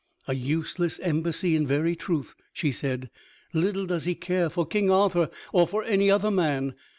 "A useless embassy in very truth!" she said. "Little does he care for King Arthur, or for any other man.